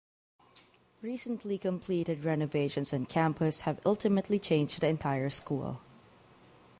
Recently completed renovations on campus have ultimately changed the entire school.